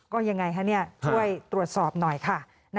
ก็ยังไงคะช่วยตรวจสอบหน่อยค่ะ